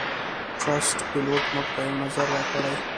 ټرسټ پیلوټ - موږ ته یو نظر راکړئ